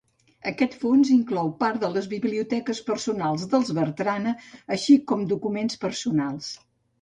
Aquest fons inclou part de les biblioteques personals dels Bertrana així com documents personals.